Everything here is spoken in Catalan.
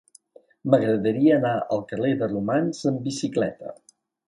M'agradaria anar al carrer de Romans amb bicicleta.